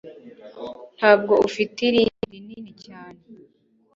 Ntabwo ufite irindi rinini cyane